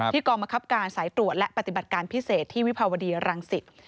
กองบังคับการสายตรวจและปฏิบัติการพิเศษที่วิภาวดีรังสิต